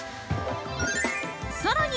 さらに！